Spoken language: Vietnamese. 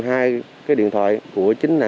hai cái điện thoại của chính nạn nhân